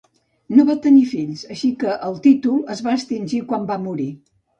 No va tenir fills, així que el títol es va extingir quan va morir.